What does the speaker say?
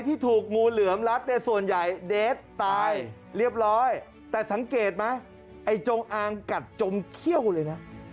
ที่ถูกงูเหลือมรัดเนี่ยส่วนใหญ่เดสตายเรียบร้อยแต่สังเกตไหมไอ้จงอางกัดจมเขี้ยวเลยนะ